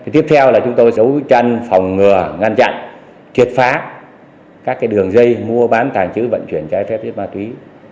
tiếp theo là chúng tôi giấu chân phòng ngừa ngăn chặn triệt phá các đường dây mua bán tài chứ vận chuyển trái phép chất ma túy